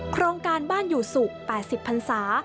โครงการบ้านอยู่ศุกร์๘๐พันศา